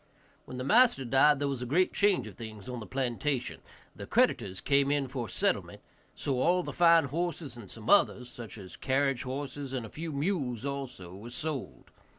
When the master died there was a great change of things on the plantation; the creditors came in for settlement, so all of the fine horses, and some others, such as carriage horses, and a few mules also, were sold.